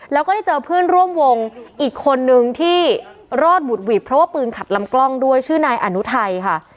แล้วก็ได้เจอเพื่อนร่วมวงอีกคนนึงที่รอดบุดหวิดเพราะว่าปืนขัดลำกล้องด้วยชื่อนายอนุทัยค่ะ